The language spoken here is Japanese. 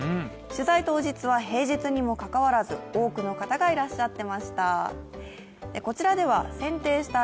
取材当日は平日にもかかわらず、多くの方がいらっしゃってました。